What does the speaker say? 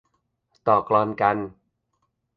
ต่อกลอนกัน